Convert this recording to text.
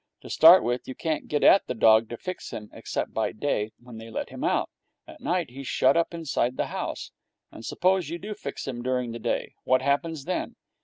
'To start with, you can't get at the dog to fix him except by day, when they let him out. At night he's shut up inside the house. And suppose you do fix him during the day what happens then?